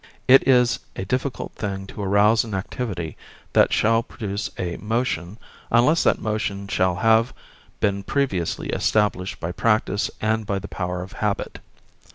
It is a difficult thing to arouse an activity that shall produce a motion unless that motion shall have been previously established by practice and by the power of habit.